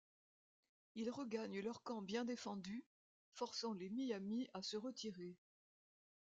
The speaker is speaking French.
Ils regagnent leur camp bien défendu, forçant les Miamis à se retirer.